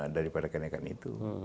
daripada kenaikan itu